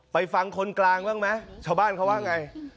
ไปฟังคนกลางบ้างไหมชาวบ้านเขาว่าไง